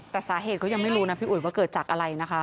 แต่สาเหตุก็ยังไม่รู้นะพี่อุ๋ยว่าเกิดจากอะไรนะคะ